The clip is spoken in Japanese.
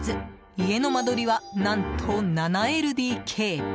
家の間取りは、何と７ＬＤＫ。